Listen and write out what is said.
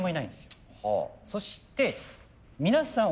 そして皆さん